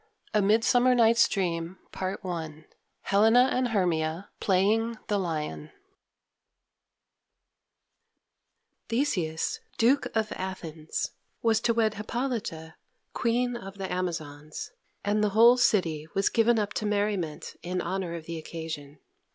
A Midsummer Night's Dream Helena and Hermia Theseus, Duke of Athens, was to wed Hippolyta, Queen of the Amazons, and the whole city was given up to merriment in honour of the occasion.